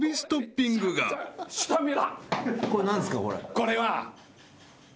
これは。